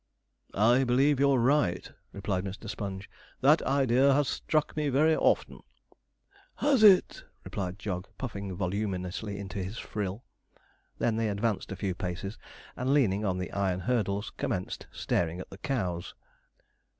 'I believe you're right,' replied Mr. Sponge; 'that idea has struck me very often.' 'Has it?' replied Jog, puffing voluminously into his frill. They then advanced a few paces, and, leaning on the iron hurdles, commenced staring at the cows.